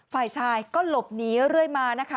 ฝ่ายชายก็หลบหนีเรื่อยมานะคะ